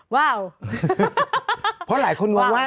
เพราะหลายคนวางว่า